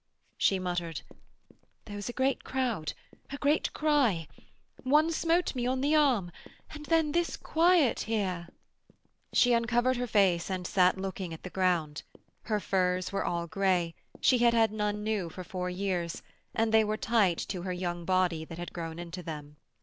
She muttered: 'There was a great crowd, a great cry. One smote me on the arm. And then this quiet here.' She uncovered her face and sat looking at the ground. Her furs were all grey, she had had none new for four years, and they were tight to her young body that had grown into them.